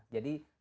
jadi kalau kita